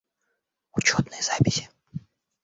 Учетные записи